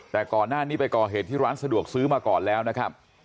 แต่ก่อนหน้านี้ไปก่อเหตุที่ร้านสะดวกซื้อมาก่อนแล้วนะครับ